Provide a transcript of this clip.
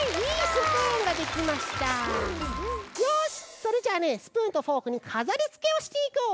スプーンとフォークにかざりつけをしていこう！